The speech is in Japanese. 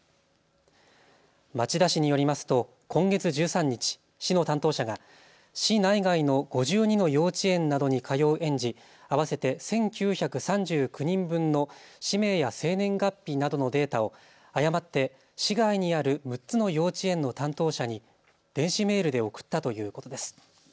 町田市によりますと今月１３日、市の担当者が市内外の５２の幼稚園などに通う園児合わせて１９３９人分の氏名や生年月日などのデータを誤って市外にある６つの幼稚園の担当者に電子メールで送ったということです。